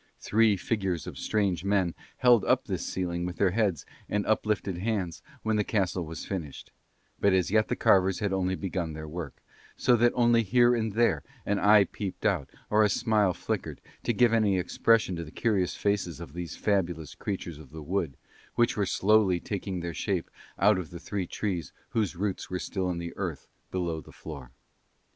Three figures of strange men held up this ceiling with their heads and uplifted hands, when the castle was finished; but as yet the carvers had only begun their work, so that only here and there an eye peeped out, or a smile flickered, to give any expression to the curious faces of these fabulous creatures of the wood, which were slowly taking their shape out of three trees whose roots were still in the earth below the floor.